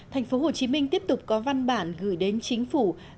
thành phố hồ chí minh tiếp tục có văn bản gửi đến chính phủ